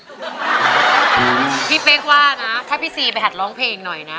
พี่เป๊กว่านะถ้าพี่ซีไปหัดร้องเพลงหน่อยนะ